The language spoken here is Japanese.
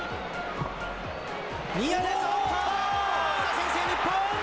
先制、日本。